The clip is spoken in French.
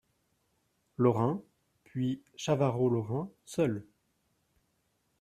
Lorin ; puis Chavarot Lorin , seul.